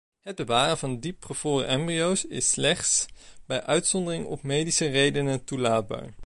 Het bewaren van diepgevroren embryo's is slechts bij uitzondering om medische redenen toelaatbaar.